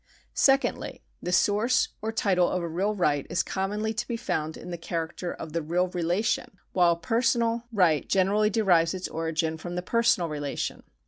Secondly, the source or title of a real right is commonly to be found in the character of the real relation, while a personal right generally derives its origin from the personal relation.